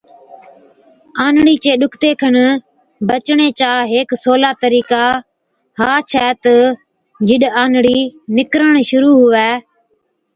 آنڙِي چي ڏُکتي کن بَچڻي چا هيڪ سولا طرِيقا ها ڇَي تہ جِڏ آنڙِي نِڪرڻ شرُوع هُوَي۔